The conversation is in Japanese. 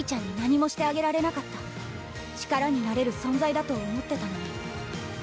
力になれる存在だと思ってたのに。